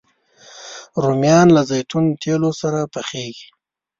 رومیان له زیتون تېلو سره پخېږي